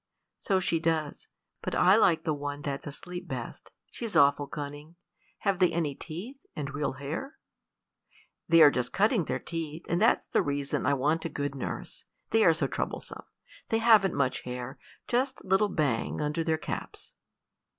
"So she does; but I like the one that's asleep best. She's awful cunning. Have they any teeth, and real hair?" "They are just cutting their teeth, and that's the reason I want a good nurse; they are so troublesome. They haven't much hair, just a little bang under their caps."